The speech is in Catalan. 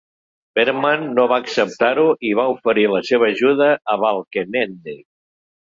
Veerman no va acceptar-ho i va oferir la seva ajuda a Balkenende.